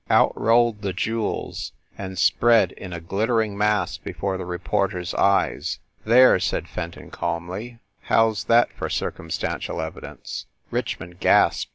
Out rolled the jewels, and spread in a glit tering mass before the reporter s eyes. "There," said Fenton calmly, "how s that for cir cumstantial evidence?" Richmond gasped.